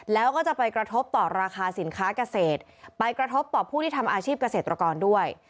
แล้วก็จะไปกระทบต่อราคาสินค้าเกษตรไปกระทบต่อผู้ที่ทำอาชีพเกษตรกรด้วย